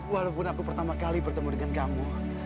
walaupun aku pertama kali bertemu dengan kamu